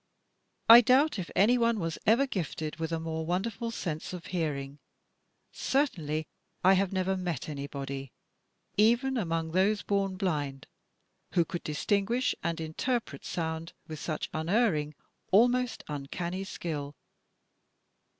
I doubt if anyone was ever gifted with a more wonderful sense of hearing. Certainly I have never met anybody, even among those bom blind, who could distinguish and interpret sound with such unerring, almost uncanny skill.